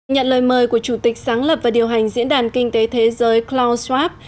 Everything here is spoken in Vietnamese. nhận lời mời của chủ tịch sáng lập và điều hành diễn đàn kinh tế thế giới klaus schwab